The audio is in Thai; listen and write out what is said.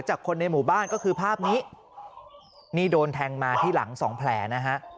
คนในหมู่บ้านก็คือภาพนี้นี่โดนแทงมาที่หลังสองแผลนะฮะ